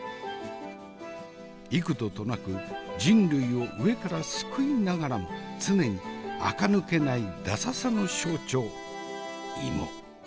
幾度となく人類を飢えから救いながらも常にあか抜けないダサさの象徴芋。